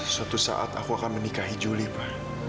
suatu saat aku akan menikahi juli pak